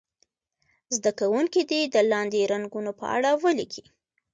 زده کوونکي دې د لاندې رنګونو په اړه ولیکي.